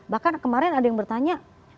bahkan kemarin ada yang bertanya